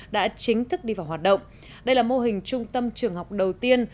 đã chính thức đi vào hoạt động đây là mô hình trung tâm trường học đầu tiên